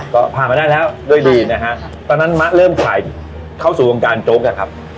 ก็ผ่านมาได้แล้วด้วยดีนะฮะตอนนั้นมะเริ่มขายเข้าสู่วงการโจ๊กนะครับ